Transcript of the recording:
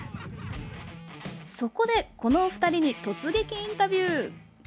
そこで、このお二人に突撃インタビュー！